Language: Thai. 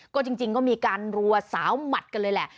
ก็จริงก็มีการรัวสาวหมัดกันเลยแหละ